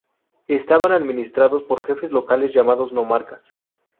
Estaban administrados por jefes locales llamados nomarcas.